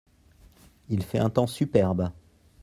Il fait un temps superbe…